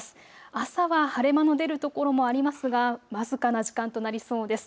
朝は晴れ間の出る所もありますが僅かな時間となりそうです。